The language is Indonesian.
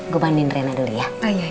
gue bandingin rena dulu ya